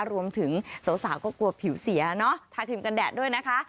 รวมถึงสาวก็กลัวผิวเสียเนาะทาครีมกันแดดด้วยนะคะ